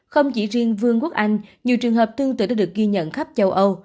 không chỉ riêng vương quốc anh nhiều trường hợp tương tự đã được ghi nhận khắp châu âu